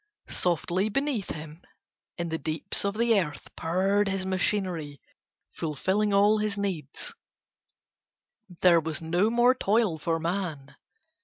Softly beneath him in the deeps of the earth purred his machinery fulfilling all his needs, there was no more toil for man.